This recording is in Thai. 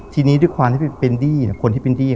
ทีนี้ด้วยความที่เป็นดี้เนี่ย